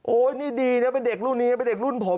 นี่ดีนะเป็นเด็กรุ่นนี้เป็นเด็กรุ่นผม